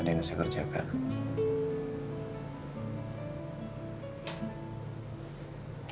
ada yang bisa kerjakan